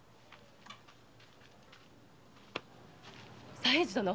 左平次殿。